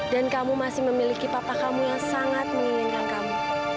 dan kamu masih memiliki papa kamu yang sangat menginginkan kamu